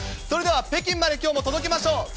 それでは北京まできょうも届けましょう。